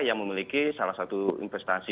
yang memiliki salah satu investasi